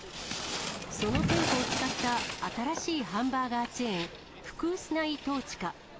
その店舗を使った新しいハンバーガーチェーン、フクースナ・イ・トーチカ。